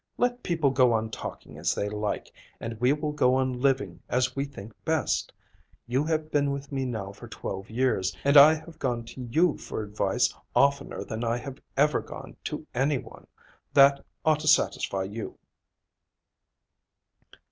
Let people go on talking as they like, and we will go on living as we think best. You have been with me now for twelve years, and I have gone to you for advice oftener than I have ever gone to any one. That ought to satisfy you."